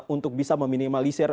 untuk bisa meminimalisir